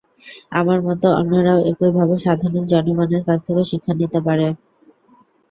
আমার মতো অন্যরাও একইভাবে সাধারণ জনগণের কাছ থেকে শিক্ষা নিতে পারে।